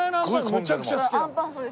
めちゃくちゃ好きなの。